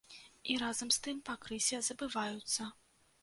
І разам з тым пакрысе забываюцца.